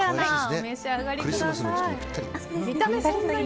お召し上がりください。